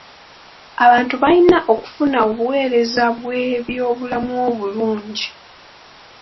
Abantu balina okufuna obuweereza bw'ebyobulamu obulungi.